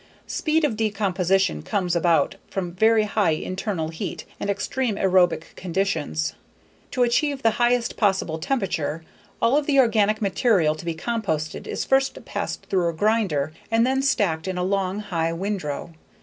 Speed of decomposition comes about from very high internal heat and extreme aerobic conditions. To achieve the highest possible temperature, all of the organic material to be composted is first passed through a grinder and then stacked in a long, high windrow.